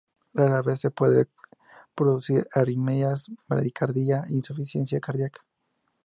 Rara vez se puede producir arritmias, bradicardia e insuficiencia cardiaca.